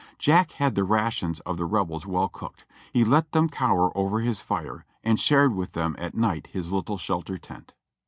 Jack had the rations of the Rebels well cooked ; he let them cower over his fire, and shared with them at night his little shelter tent.